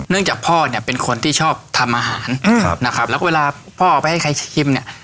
จากพ่อเนี่ยเป็นคนที่ชอบทำอาหารครับนะครับแล้วก็เวลาพ่อเอาไปให้ใครชิมเนี่ย